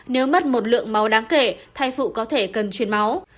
nếu mất một lượng máu đáng kể thai phụ có thể cần truyền máu